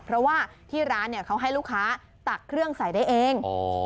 เพราะว่าที่ร้านเนี่ยเขาให้ลูกค้าตักเครื่องใส่ได้เอง